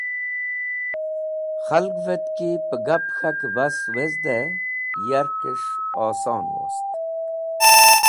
Khalgvẽt ki pegap k̃hakẽ bas wezdẽ yarkes̃h oson wost.